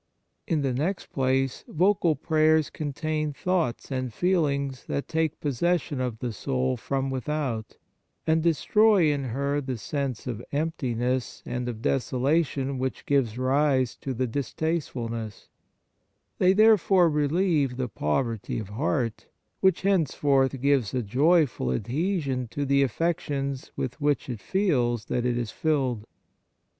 In the next place, vocal prayers contain thoughts and feelings that take pos session of the soul from without, and destroy in her the sense of emptiness and of desolation which gives rise to the distastefulness ; they therefore relieve the poverty of heart, which henceforth gives a joyful adhesion to the affections with which it feels that it is filled.